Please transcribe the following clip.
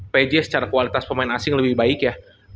pj secara kualitas pemain asing lebih baik ya